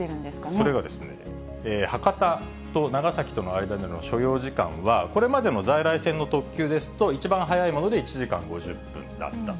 それがですね、博多と長崎との間の所要時間は、これまでの在来線の特急ですと、一番速いもので１時間５０分だった。